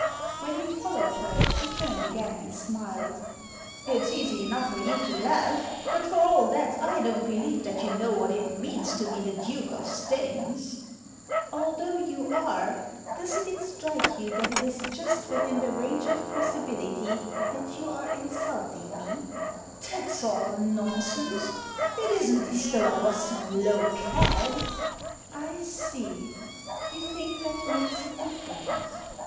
When he followed her she turned again and smiled. " It's easy enough for you to laugh, but for all that I don't believe that you know what it means to be the Duke of Staines." " Although you are, doesn't it strike you that it is just within the range of possibility that you are in sulting me ?" Digitized by VjOOQIC 312 THE SEEN AND THE UNSEEN "That's all nonsense! It isn't as though I was some low cad" " I see. You think that makes a difference